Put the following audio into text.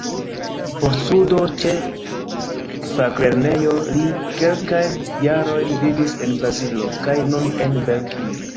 Post studo ĉe faklernejo li kelkajn jarojn vivis en Brazilo kaj nun en Belgio.